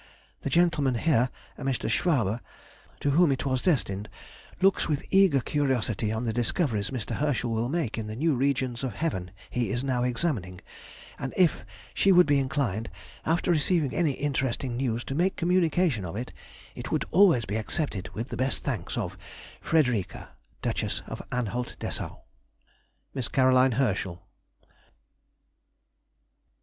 The gentleman here, a Mr. Schwabe, to whom it was destined, looks with eager curiosity on the discoveries Mr. Herschel will make in the new regions of heaven he is now examining, and if she would be inclined, after receiving any interesting news, to make communication of it, it would always be accepted with the best thanks of FREDRICA, Duchess of Anhalt Dessau. MISS CAROLINE HERSCHEL.